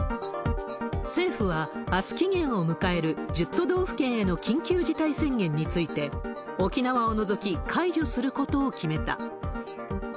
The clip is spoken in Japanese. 政府は、あす期限を迎える１０都道府県への緊急事態宣言について、沖縄を除き解除することを決めた。